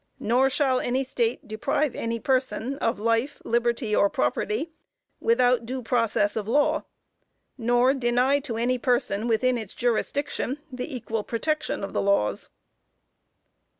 Nor shall any State deprive any person of life, liberty or property, without due process of law, nor deny to any person within its jurisdiction, the equal protection of the laws.